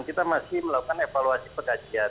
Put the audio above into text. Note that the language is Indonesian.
kita masih melakukan evaluasi pengkajian